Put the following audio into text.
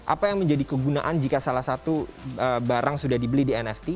apa yang menjadi kegunaan jika salah satu barang sudah dibeli di nft